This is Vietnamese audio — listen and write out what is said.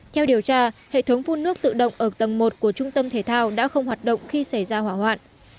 theo điều tra hệ thống phun nước tự động ở tầng một của trung tâm thể thao đã không hoạt động khi xảy ra hỏa hoạn